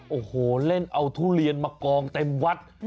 โอ้โหเล่นเอาทุเรียนมากองเต็มวัด